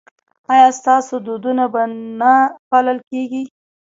ایا ستاسو دودونه به نه پالل کیږي؟